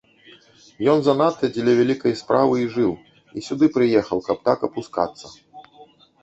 Ён занадта дзеля вялікай справы і жыў, і сюды прыехаў, каб так апускацца.